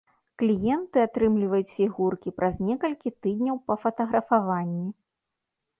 Кліенты атрымліваюць фігуркі праз некалькі тыдняў па фатаграфаванні.